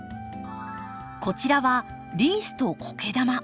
こちらはリースとコケ玉。